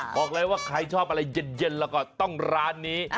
บอกเลยว่าใครชอบอะไรเย็นแล้วก็ต้องร้านนี้